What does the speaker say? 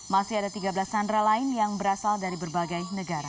masih ada tiga belas sandra lain yang berasal dari berbagai negara